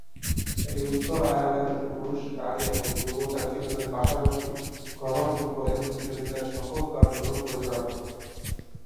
এটি উত্তর আয়ারল্যান্ডের পুরুষ, নারী এবং যুব জাতীয় দলের পাশাপাশি ঘরোয়া ফুটবলে প্রতিযোগিতার সকল কার্যক্রম পরিচালনা করে।